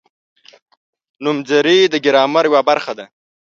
نومځري د ګرامر یوه برخه ده.